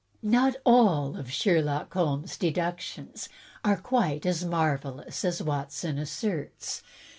Not all of Sherlock Holmes' deductions are quite as mar velous as Watson asserts.